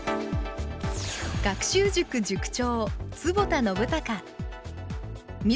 学習塾塾長